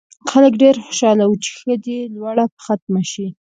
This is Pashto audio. خلک ډېر خوشاله وو چې ښه دی لوږه به ختمه شي.